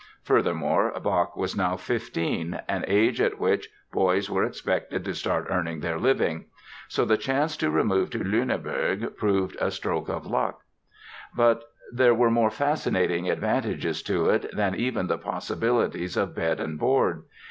Furthermore, Bach was now fifteen, an age at which boys were expected to start earning their living. So the chance to remove to Lüneburg proved a stroke of luck. But there were more fascinating advantages to it than even the possibilities of bed and board.